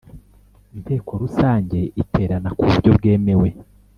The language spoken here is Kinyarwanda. inteko rusange iterana ku buryo bwemewe